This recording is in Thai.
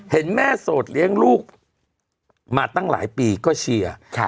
เห็นแม่โสดเลี้ยงลูกมาตั้งหลายปีก็เชียร์